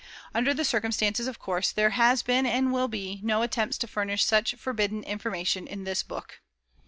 UNDER THE CIRCUMSTANCES, OF COURSE, THERE HAS BEEN, AND WILL BE, NO ATTEMPTS TO FURNISH SUCH FORBIDDEN INFORMATION IN THIS BOOK.